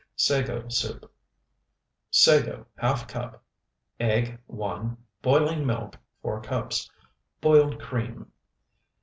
SAGO SOUP Sago, ½ cup. Egg, 1. Boiling milk, 4 cups. Boiled cream.